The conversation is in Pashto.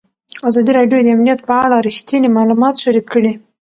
ازادي راډیو د امنیت په اړه رښتیني معلومات شریک کړي.